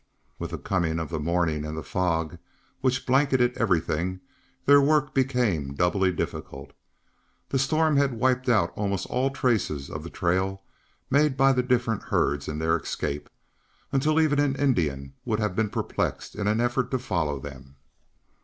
With the coming of the morning and the fog, which blanketed everything, their work became doubly difficult. The storm had wiped out almost all traces of the trail made by the different herds in their escape, until even an Indian would have been perplexed in an effort to follow them.